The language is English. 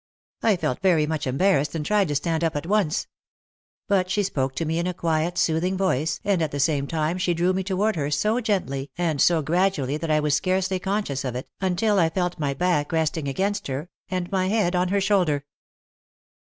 I felt very much embarrassed and tried to stand up at once. But she spoke to me in a quiet, sooth ing voice and at the same time she drew me toward her so gently and so gradually that I was scarcely conscious of it until I felt my back resting against her, and my head on her shoulder.